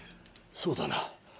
そうだな。